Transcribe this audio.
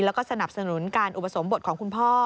แล้วก็สนับสนุนการอุปสมบทของคุณพ่อ